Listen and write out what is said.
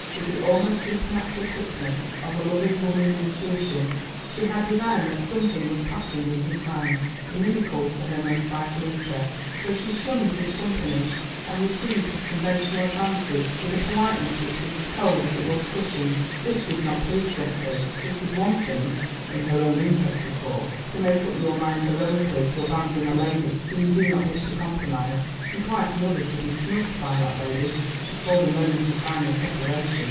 With the almost supernatural quickness of a loving woman's intuition, she had divined that something was passing in his mind, inimical to her most vital interests, so she shunned his company, and received his conventional advances with a politeness which was as cold as it was crushing. This did not please Geoffrey; it is one thing (in her own interests, of course) to make up your mind heroically to abandon a lady whom you do not wish to compromise, and quite another to be snubbed by that lady before the moment of final separation.